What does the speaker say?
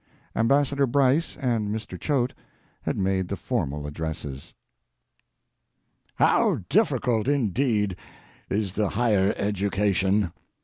Ambassador Bryce and Mr. Choate had made the formal addresses. How difficult, indeed, is the higher education.